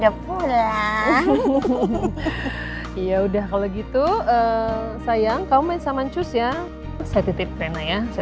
depan ya udah kalau gitu sayang kau main sama cus ya saya titip rena ya